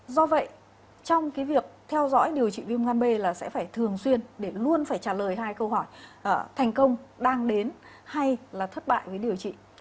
do vậy trong việc theo dõi điều trị viêm gan b là sẽ phải thường xuyên để luôn phải trả lời hai câu hỏi thành công đang đến hay là thất bại với điều trị